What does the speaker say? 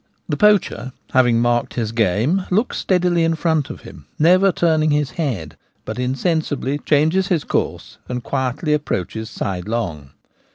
The poacher, having marked his game, looks steadily in front of him, never turning his head, but insensibly changes his course and quietly approaches sidelong.